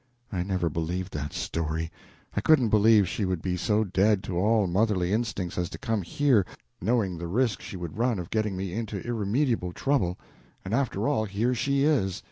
I never believed that story; I couldn't believe she would be so dead to all motherly instincts as to come here, knowing the risk she would run of getting me into irremediable trouble. And after all, here she is!